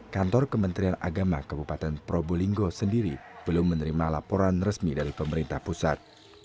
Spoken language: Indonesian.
kantor kementerian agama kabupaten probolinggo sendiri belum menerima laporan resmi dari pemerintah pusat